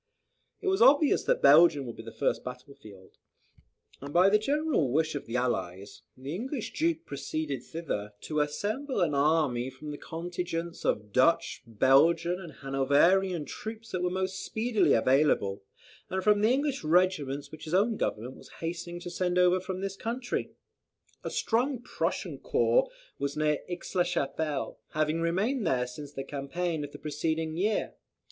It was obvious that Belgium would be the first battle field; and by the general wish of the Allies, the English Duke proceeded thither to assemble an army from the contingents of Dutch, Belgian, and Hanoverian troops, that were most speedily available, and from the English regiments which his own Government was hastening to send over from this country. A strong Prussian corps was near Aix la Chapelle, having remained there since the campaign of the preceding year.